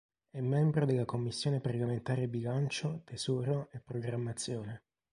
È membro della commissione parlamentare Bilancio, tesoro e programmazione.